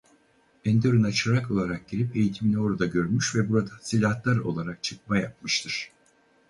Enderun'a çırak olarak girip eğitimini orada görmüş ve buradan silahtar olarak çıkma yapmıştır.